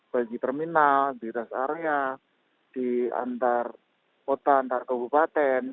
bagi terminal di dasar area di antar kota antar kabupaten